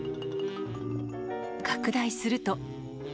拡大すると。